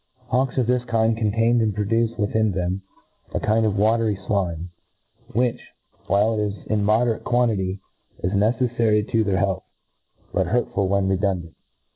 HawJ^LS of all kinds contain and produce withr in them a kind of watery flime, which, while it is in moderate quantity, is neceflary to their health ; biit hurtful when redundant.